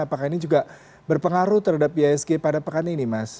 apakah ini juga berpengaruh terhadap ihsg pada pekan ini mas